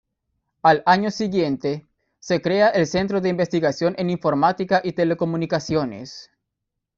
Al año siguiente, se crea el Centro de Investigación en Informática y Telecomunicaciones.